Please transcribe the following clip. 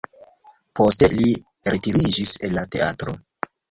Poste li retiriĝis el la teatro.